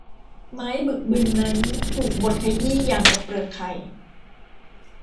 ไม้บึกบึนนั้นถูกบดขยี้อย่างกับเปลือกไข่